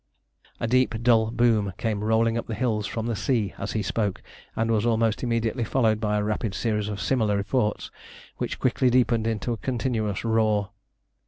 A deep, dull boom came rolling up the hills from the sea as he spoke, and was almost immediately followed by a rapid series of similar reports, which quickly deepened into a continuous roar.